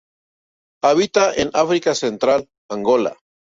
Habita en África Central, Angola.